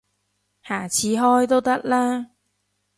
下次開都得啦